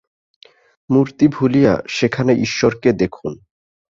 মূর্তি ভুলিয়া সেখানে ঈশ্বরকে দেখুন।